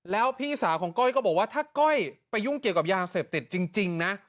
แล้วพี่สาวของก้อยก็บอกว่าถ้าก้อยไปยุ่งเกี่ยวกับยาเสพติดจริงนะ